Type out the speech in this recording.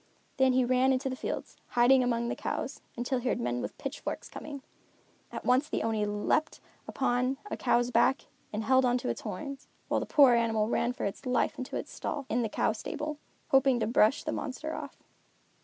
Then he ran into the fields, hiding among the cows, until he heard men with pitchforks coming. At once the Oni leaped upon a cow's back and held on to its horns, while the poor animal ran for its life into its stall, in the cow stable, hoping to brush the monster off.